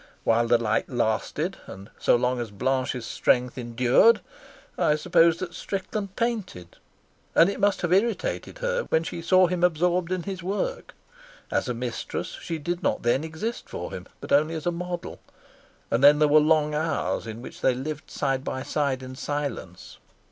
While the light lasted and so long as Blanche's strength endured, I suppose that Strickland painted, and it must have irritated her when she saw him absorbed in his work. As a mistress she did not then exist for him, but only as a model; and then there were long hours in which they lived side by side in silence.